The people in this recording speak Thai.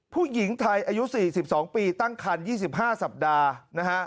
ผู้หญิงไทยอายุ๔๒ปีตั้งคัน๒๕สัปดาห์นะฮะ